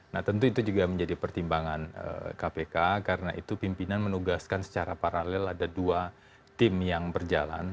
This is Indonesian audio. nah tentu itu juga menjadi pertimbangan kpk karena itu pimpinan menugaskan secara paralel ada dua tim yang berjalan